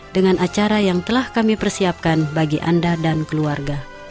dengan acara yang telah kami persiapkan bagi anda dan keluarga